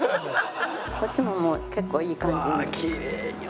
こっちももう結構いい感じに。